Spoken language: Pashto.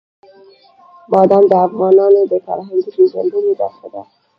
بادام د افغانانو د فرهنګي پیژندنې برخه ده.